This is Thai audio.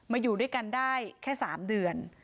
อยู่ด้วยกันได้แค่๓เดือน